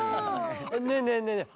ねえねえねえねえ